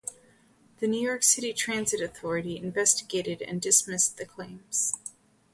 The New York City Transit Authority investigated and dismissed the claims.